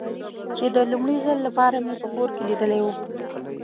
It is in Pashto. چې د لومړي ځل له پاره مې په کور کې لیدلی و.